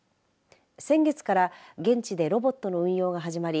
先月から現地でロボットの運用が始まり